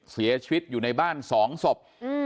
เสียชวติอยู่ในบ้านสองศพ